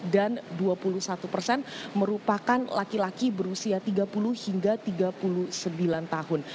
dan dua puluh satu persen merupakan laki laki yang berusia dua puluh lima hingga dua puluh sembilan tahun